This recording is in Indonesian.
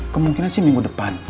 kemungkinan sih minggu depan